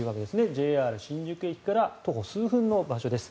ＪＲ新宿駅から徒歩数分の場所です。